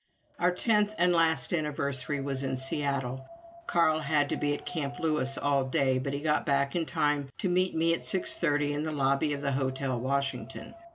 Our tenth and last anniversary was in Seattle. Carl had to be at Camp Lewis all day, but he got back in time to meet me at six thirty in the lobby of the Hotel Washington.